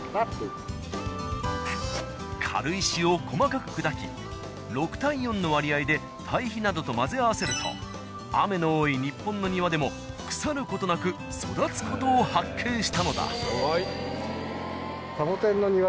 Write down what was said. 軽石を細かく砕き６対４の割合で堆肥などと混ぜ合わせると雨の多い日本の庭でも腐る事なく育つ事を発見したのだ。